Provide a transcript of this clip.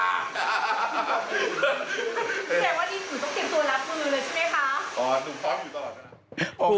อ๋อนผมพร้อมอยู่ตลอด